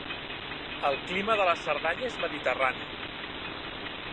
El clima de la Cerdanya és mediterrani.